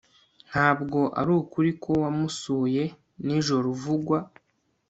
ntabwo arukuri ko wamusuye nijoro uvugwa